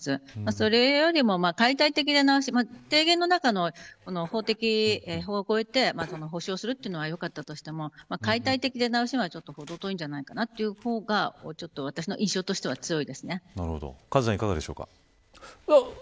それよりも解体的な出直し提言の中の法を超えて補償するというのはよかったとしても解体的出直しというのはほど遠いんじゃないかなというのはカズさん、いかがでしょうか。